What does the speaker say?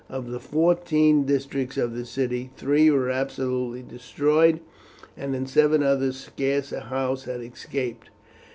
Of the fourteen districts of the city three were absolutely destroyed, and in seven others scarce a house had escaped.